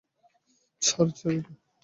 ছাড়, ছাড় এটা!